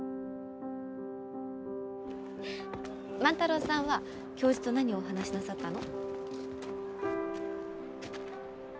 万太郎さんは教授と何をお話しなさったの？